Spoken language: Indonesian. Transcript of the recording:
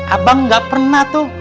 abang tidak pernah tuh